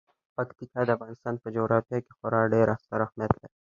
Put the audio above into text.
پکتیکا د افغانستان په جغرافیه کې خورا ډیر ستر اهمیت لري.